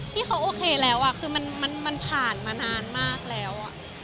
ที่เขาโอเคแล้วคือมันผ่านมานานมากแล้ว